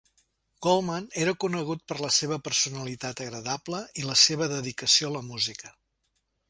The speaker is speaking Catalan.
Goldman era conegut per la seva personalitat agradable i la seva dedicació a la música.